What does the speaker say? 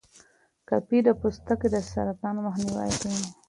کافي د پوستکي د سرطان مخنیوی کوي.